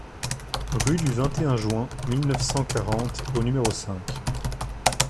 Rue du vingt et un Juin mille neuf cent quarante au numéro cinq